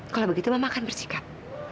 kalau begitu mama akan bersikap